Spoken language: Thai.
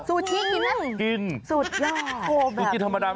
ซูชิกินน่ะ